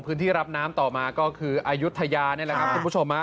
พื้นที่รับน้ำต่อมาก็คืออายุทยานี่แหละครับคุณผู้ชมฮะ